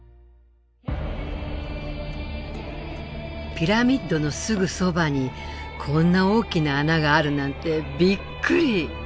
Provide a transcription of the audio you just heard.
ピラミッドのすぐそばにこんな大きな穴があるなんてびっくり！